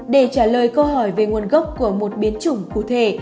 để trả lời câu hỏi về nguồn gốc của một biến chủng cụ thể